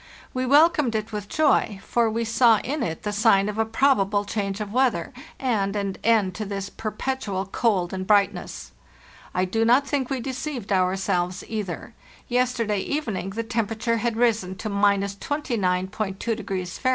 We welcomed it with joy, for we saw in it the sign of a probable change of weather and an end to this per petual cold and brightness. I do not think we deceived ourselves either. Yesterday evening the temperature had risen to —29.2° Fahr.